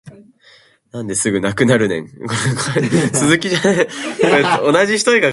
なんですぐなくなるねん